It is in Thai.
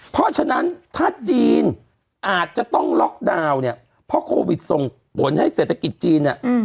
เพราะฉะนั้นถ้าจีนอาจจะต้องล็อกดาวน์เนี่ยเพราะโควิดส่งผลให้เศรษฐกิจจีนเนี่ย